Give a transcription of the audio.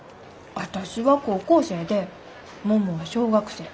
私は高校生で桃は小学生。